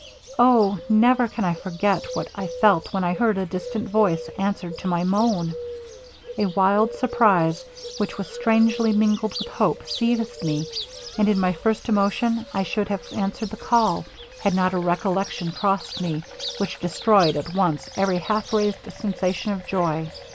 Oh! never can I forget what I felt, when I heard a distant voice answered to my moan! A wild surprize, which was strangely mingled with hope, seized me, and in my first emotion I should have answered the call, had not a recollection crossed me, which destroyed at once every half raised sensation of joy.